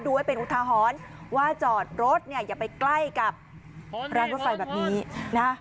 ไว้เป็นอุทาหรณ์ว่าจอดรถเนี่ยอย่าไปใกล้กับร้านรถไฟแบบนี้นะ